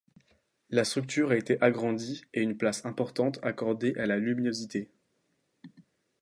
La structure a été agrandie et une place importante accordée à la luminosité.